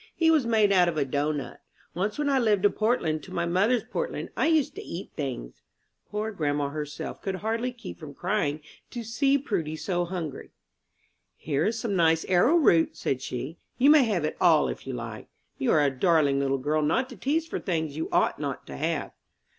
"He was made out of a doughnut. Once when I lived to Portland to my mother's Portland I used to eat things." Poor grandma herself could hardly keep from crying to see Prudy so hungry. "Here is some nice arrow root," said she. "You may have it all if you like. You are a darling little girl not to tease for things you ought not to have."